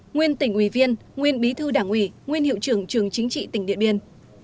nguyên tỉnh ủy viên nguyên bí thư đảng ủy nguyên hiệu trưởng trường chính trị tỉnh điện biên